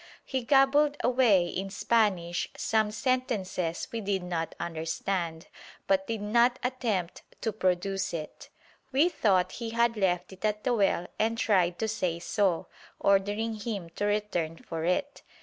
He gabbled away in Spanish some sentences we did not understand, but did not attempt to produce it. We thought he had left it at the well and tried to say so, ordering him to return for it.